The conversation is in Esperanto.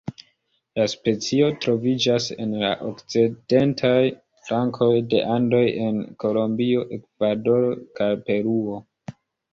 La specio troviĝas en la okcidentaj flankoj de Andoj en Kolombio, Ekvadoro kaj Peruo.